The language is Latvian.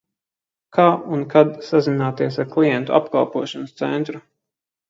Kā un kad sazināties ar klientu apkalpošanas centru?